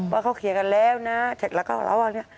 ว่าเขาเคลียร์กันแล้วนะแล้วก็เราก็ว่า